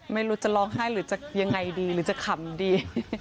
ไม่รู้จะร้องไห้หรือจะยังไงดีหรือจะขำดี